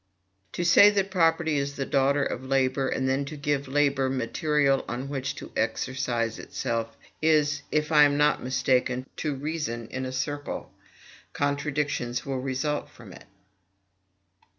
To say that property is the daughter of labor, and then to give labor material on which to exercise itself, is, if I am not mistaken, to reason in a circle. Contradictions will result from it.